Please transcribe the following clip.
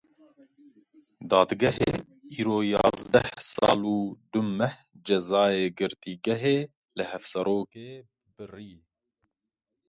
Dadgehê îro yazdeh sal û du meh cezayê girtîgehê li Hevserokê birî.